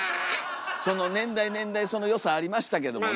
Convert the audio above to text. その年代年代その良さありましたけどもね。